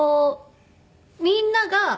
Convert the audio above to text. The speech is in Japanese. みんなが。